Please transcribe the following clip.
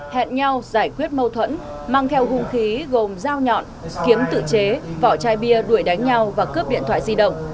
hẹn nhau giải quyết mâu thuẫn mang theo hung khí gồm dao nhọn kiếm tự chế vỏ chai bia đuổi đánh nhau và cướp điện thoại di động